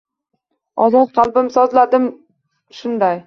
Ozod qalbim sozladim shunday